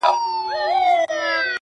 څه عاشقانه څه مستانه څه رندانه غزل,